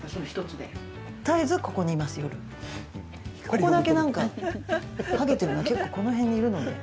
ここだけ剥げているのは結構この辺にいるので。